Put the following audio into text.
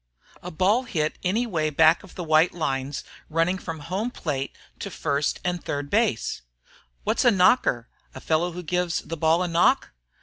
"A ball hit any way back of the white lines running from home plate to first and third base." "What's a knocker? A fellow who gives the ball a knock?"